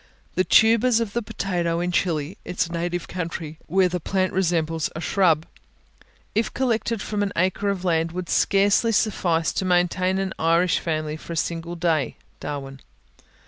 The tubers of the potato in Chili, its native country, where the plant resembles a shrub, if collected from an acre of land, would scarcely suffice to maintain an Irish family for a single day (Darwin).